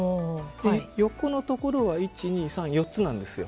横のところは１２３４つなんですよ。